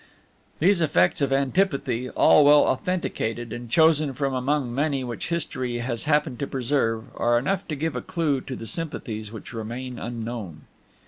These effects of antipathy, all well authenticated, and chosen from among many which history has happened to preserve, are enough to give a clue to the sympathies which remain unknown.